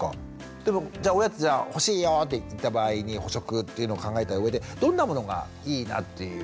でもじゃおやつじゃあ欲しいよっていった場合に補食っていうのを考えたうえでどんなものがいいなっていうことですか？